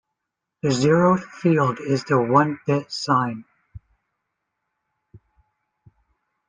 The zeroth field is the one-bit sign.